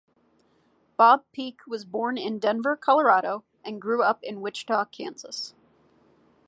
Bob Peak was born in Denver, Colorado and grew up in Wichita, Kansas.